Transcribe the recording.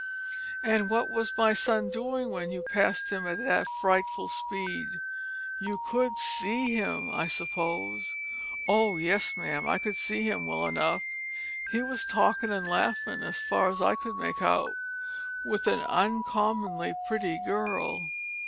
"And what was my son doing when you passed him at that frightful speed you could see him, I suppose?" "Oh yes, ma'am, I could see him well enough. He was talkin' an' laughin', as far as I could make out, with an uncommon pretty girl."